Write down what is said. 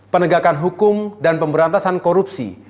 penegakan hukum dan pemberantasan korupsi